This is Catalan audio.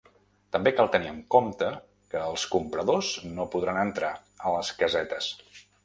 També cal tenir en compte que els compradors no podran entrar a les casetes.